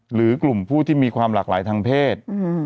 หรือกลุ่มผู้ที่มีความหลากหลายทางเพศ